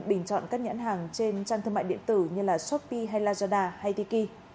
bình chọn các nhãn hàng trên trang thương mại điện tử như shopee hay lazada hay tiki